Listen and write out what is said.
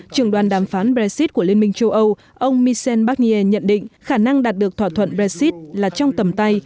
trưởng đoàn đàm phán brexit của liên minh châu âu ông michel barnier nhận định khả năng đạt được thỏa thuận brexit là trong tầm tay